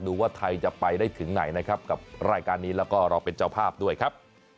ดูว่าไทยจะไปได้ถึงไหนนะครับกับรายการนี้แล้วก็เราเป็นเจ้าภาพด้วยครับ